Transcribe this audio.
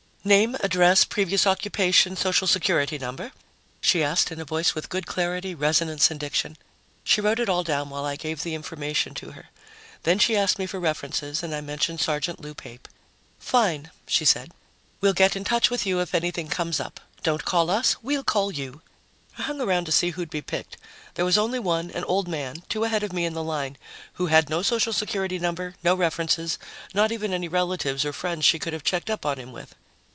"Name, address, previous occupation, social security number?" she asked in a voice with good clarity, resonance and diction. She wrote it all down while I gave the information to her. Then she asked me for references, and I mentioned Sergeant Lou Pape. "Fine," she said. "We'll get in touch with you if anything comes up. Don't call us we'll call you." I hung around to see who'd be picked. There was only one, an old man, two ahead of me in the line, who had no social security number, no references, not even any relatives or friends she could have checked up on him with.